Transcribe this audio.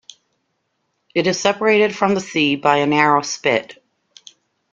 It is separated from the sea by a narrow spit.